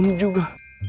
suami kamu juga